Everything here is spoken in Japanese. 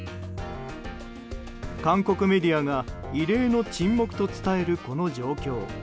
韓国メディアが異例の沈黙と伝える、この状況。